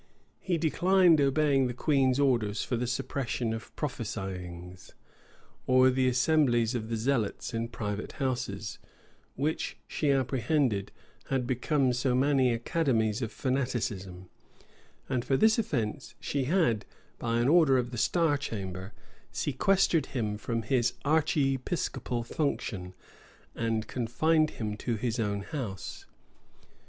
He declined obeying the queen's orders for the suppression of "prophesyings," or the assemblies of the zealots in private houses, which, she apprehended, had become so many academies of fanaticism; and for this offence she had, by an order of the star chamber, sequestered him from his archiepiscopal function, and confined him to his own house.